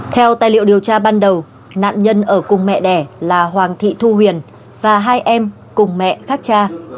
theo tài liệu điều tra ban đầu nạn nhân ở cùng mẹ đẻ là hoàng thị thu huyền và hai em cùng mẹ khác cha